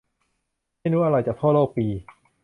เมนูอร่อยจากทั่วโลกปี